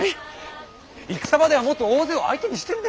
戦場ではもっと大勢を相手にしてるでしょう。